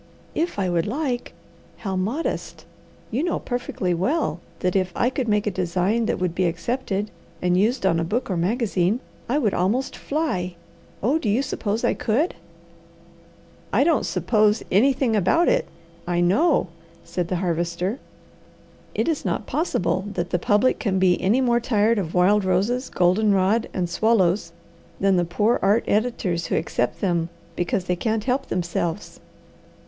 "'If I would like!' How modest! You know perfectly well that if I could make a design that would be accepted, and used on a book or magazine, I would almost fly. Oh do you suppose I could?" "I don't 'suppose' anything about it, I know," said the Harvester. "It is not possible that the public can be any more tired of wild roses, golden rod, and swallows than the poor art editors who accept them because they can't help themselves.